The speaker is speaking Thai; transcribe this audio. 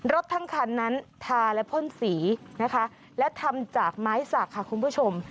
ทั้งคันนั้นทาและพ่นสีนะคะและทำจากไม้สักค่ะคุณผู้ชม